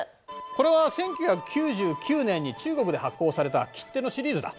これは１９９９年に中国で発行された切手のシリーズだ。